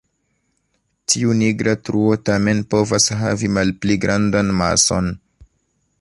Tiu nigra truo tamen povas havi malpli grandan mason.